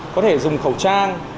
có thể dùng khẩu trang